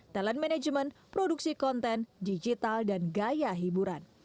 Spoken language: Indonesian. talent management produksi konten digital dan gaya hiburan